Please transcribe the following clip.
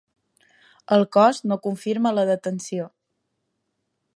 El cos no confirma la detenció.